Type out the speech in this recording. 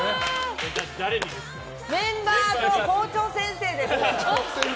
メンバーと校長先生です！